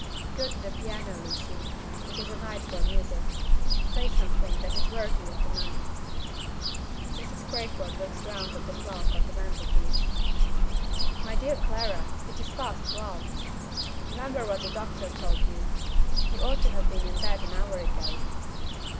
"Go to the piano, Lucy. It is a night for music. Play something that is worthy of the night." Mrs. Crayford looks round at the clock on the mantelpiece. "My dear Clara, it is past twelve! Remember what the doctor told you. You ought to have been in bed an hour ago."